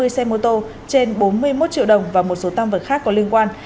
hai mươi xe mô tô trên bốn mươi một triệu đồng và một số tam vật khác có liên quan